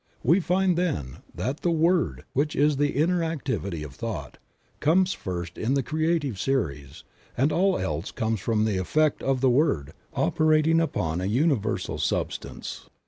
We find, then, that the Word, which is the inner activity of thought, comes first in the creative series, and all else comes from the effect of the Word operating upon a uni versal substance.